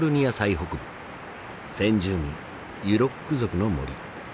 先住民ユロック族の森。